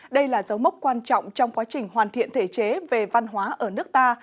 đây là dấu mốc quan trọng trong quá trình hoàn thiện thể chế về văn hóa ở nước ta